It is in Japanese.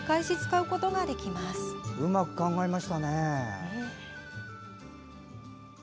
うまく考えましたね。